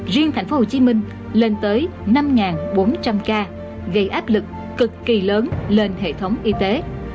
riêng thành phố hồ chí minh lên tới năm bốn trăm linh ca gây áp lực cực kỳ lớn lên hệ thống y tế